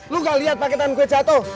lu gak lihat paketan gue jatuh